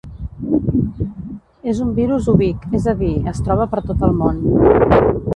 És un virus ubic, és a dir, es troba per tot el món.